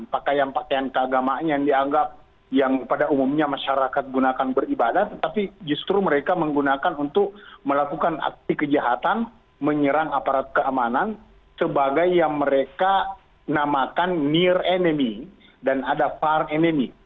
pakaian pakaian keagamaan yang dianggap yang pada umumnya masyarakat gunakan beribadah tetapi justru mereka menggunakan untuk melakukan aksi kejahatan menyerang aparat keamanan sebagai yang mereka namakan near enemy dan ada far enemy